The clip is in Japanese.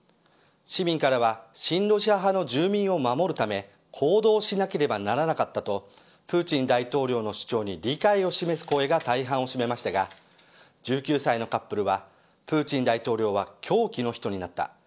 市民からは親ロシア派の住民を守るため行動しなければならなかったとプーチン大統領の主張に理解を示す声が大半を占めましたが１９歳のカップルはプーチン大統領は狂気の人になった。